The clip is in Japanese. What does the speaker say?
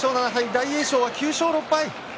大栄翔は９勝６敗。